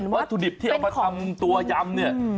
วัตถุดิบที่เราเอามาทำตัวยำ